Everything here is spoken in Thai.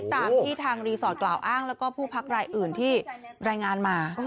ตามที่ทางรีสอร์ทกล่าวอ้างแล้วก็ผู้พักรายอื่นที่รายงานมา